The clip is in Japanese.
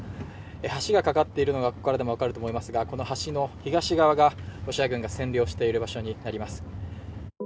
橋がかかっているのがここからでも分かると思いますが、この橋の東側がロシア軍が占領している場所になります。